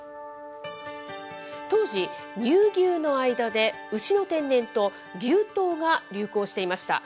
当時、乳牛の間で牛の天然痘、牛痘が流行していました。